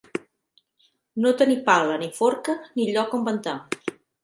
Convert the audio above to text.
No tenir pala ni forca ni lloc on ventar.